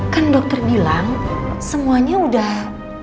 kan dokter bilang semuanya udah